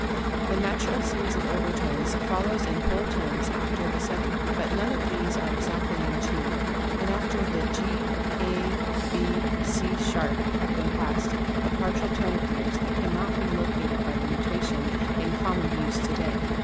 The natural series of overtones follows in whole tones after the seventh. But none of these are exactly in tune, and after the G" A" B" C'" # have been passed a partial tone appears which cannot be located by the notation in common use to day.